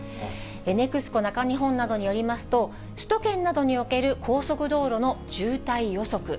ＮＥＸＣＯ中日本などによりますと、首都圏などにおける高速道路の渋滞予測。